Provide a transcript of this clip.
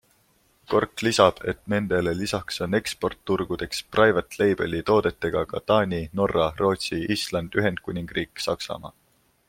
Kork lisab, et nendele lisaks on eksportturgudeks private label'i toodetega ka Taani, Norra, Rootsi, Island, Ühendkuningriik, Saksamaa.